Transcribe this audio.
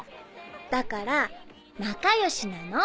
だから仲良しなの。